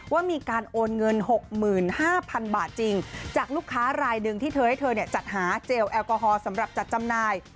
ว่ามีการโอนเงิน๖๕๐๐๐บาทจริงจากลูกค้ารายหนึ่งที่เธอให้เธอจัดหาเจลแอลกอฮอล์สำหรับจัดจำหน่าย